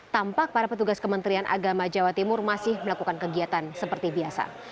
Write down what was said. tampak para petugas kementerian agama jawa timur masih melakukan kegiatan seperti biasa